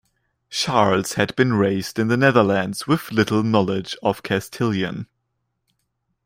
Charles had been raised in the Netherlands with little knowledge of Castilian.